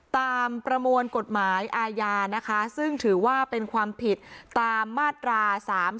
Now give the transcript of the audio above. ตามประมวลกฎหมายอาญานะคะซึ่งถือว่าเป็นความผิดตามมาตรา๓๔